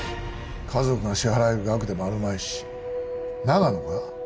家族が支払える額でもあるまいし長野か？